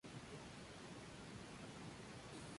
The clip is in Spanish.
Es sede del condado de Lawrence.